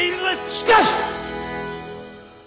しかし！